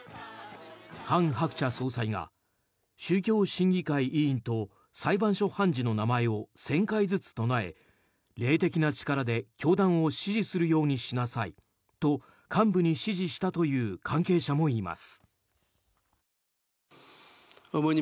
ハン・ハクチャ総裁が宗教審議会委員と裁判所判事の名前を１０００回ずつ唱え霊的な力で教団を支持するようにしなさいと幹部に指示したという関係者もいます。